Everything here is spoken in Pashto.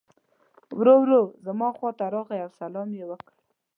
ورو ورو زما خواته راغی او سلام یې وکړ.